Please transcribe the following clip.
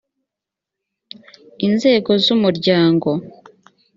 inzego z umuryango